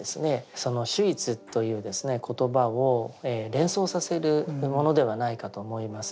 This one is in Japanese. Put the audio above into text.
その「守一」という言葉を連想させるものではないかと思います。